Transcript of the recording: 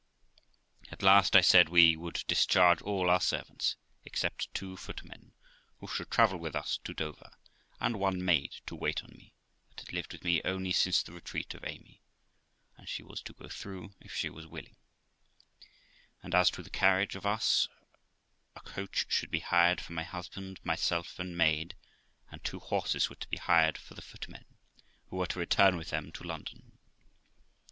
At last I said we would discharge all our servants, except two footmen, who should travel with us to Dover, and one maid to wait on me, that had lived with me only since the retreat of Amy, and she was THE LIFE OF ROXANA 39! to go through, if she was willing; and, as to the carriage of us, a coach should be hired for my husband, myself, and maid, and two horses were to be hired for the footmen, who were to return with them to London.